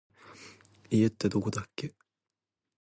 家ってどこだっけ